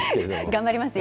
頑張りますよ。